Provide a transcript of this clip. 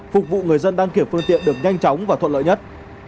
phục vụ người dân đăng kiểm phương tiện được nhanh chóng và thuận lợi nhất